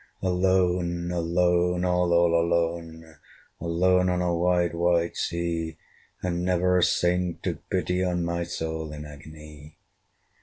Alone, alone, all, all alone, Alone on a wide wide sea! And never a saint took pity on My soul in agony.